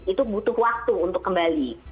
itu butuh waktu untuk kembali